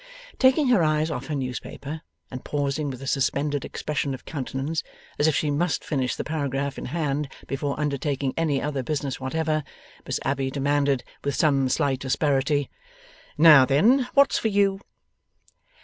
Taking her eyes off her newspaper, and pausing with a suspended expression of countenance, as if she must finish the paragraph in hand before undertaking any other business whatever, Miss Abbey demanded, with some slight asperity: 'Now then, what's for you?